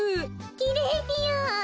きれいぴよ。